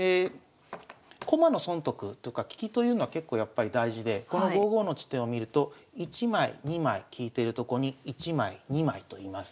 駒の損得とか利きというのは結構やっぱり大事でこの５五の地点を見ると１枚２枚利いてるとこに１枚２枚と居ます。